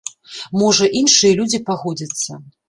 Можа, іншыя людзі пагодзяцца.